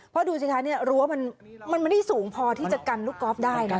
เพราะดูสิคะเนี่ยรั้วมันไม่ได้สูงพอที่จะกันลูกกอล์ฟได้นะ